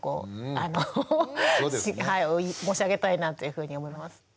申し上げたいなというふうに思います。